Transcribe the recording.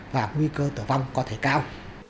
và nguy cơ tử vong có thể cao